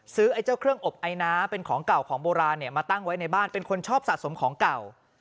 ไอ้เจ้าเครื่องอบไอน้ำเป็นของเก่าของโบราณมาตั้งไว้ในบ้านเป็นคนชอบสะสมของเก่า